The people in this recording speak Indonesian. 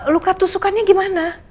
luka tusukannya gimana